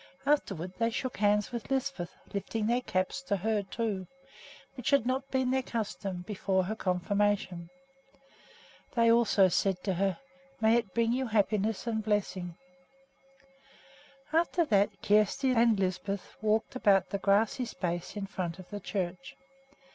Afterward they shook hands with Lisbeth, lifting their caps to her, too, which had not been their custom before her confirmation. They also said to her, "May it bring you happiness and blessing!" After that Kjersti and Lisbeth walked about the grassy space in front of the church.